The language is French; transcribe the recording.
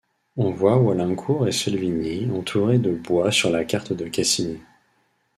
On voit Walincourt et Selvigny entourés de bois sur la carte de Cassini.